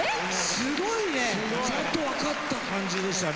すごいね。ちゃんと分かった感じでしたね